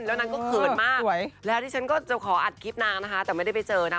แล้วนางก็เขินมากแล้วที่ฉันก็จะขออัดคลิปนางนะคะแต่ไม่ได้ไปเจอนะ